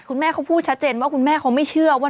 คุณแม่เขาพูดชัดเจนว่าคุณแม่เขาไม่เชื่อว่า